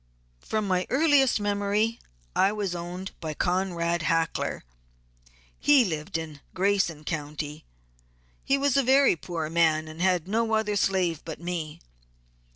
From my earliest memory I was owned by Conrad Hackler; he lived in Grason County. He was a very poor man, and had no other slave but me.